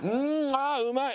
ああうまい！